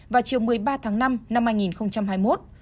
vào chiều một mươi ba tháng năm năm hai nghìn hai mươi một